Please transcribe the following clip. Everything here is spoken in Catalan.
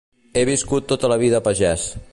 He viscut tota la vida a pagès.